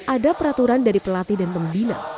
ada peraturan dari pelatih dan pembina